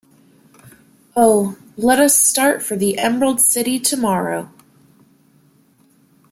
Oh, let us start for the Emerald City tomorrow!